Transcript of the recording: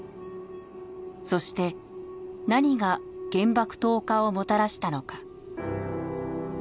そして何が原爆投下をもたらしたのか。